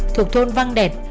thuộc thôn văn đẹp